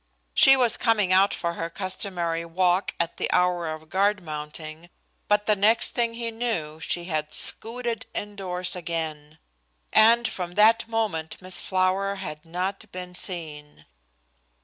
She was coming out for her customary walk at the hour of guard mounting, but the next thing he knew she had "scooted" indoors again. And from that moment Miss Flower had not been seen.